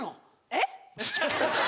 えっ？